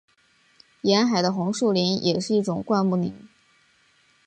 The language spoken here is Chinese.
沿海的红树林也是一种灌木林。